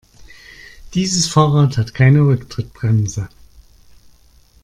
Dieses Fahrrad hat keine Rücktrittbremse.